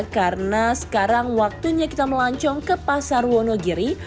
karena sekarang waktunya kita melancong ke pasar wonogiri